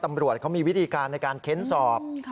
ตำรวจเขามีวิธีการในการเค้นสอบ